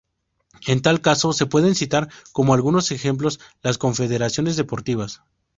En tal caso se pueden citar como algunos ejemplos las confederaciones deportivas.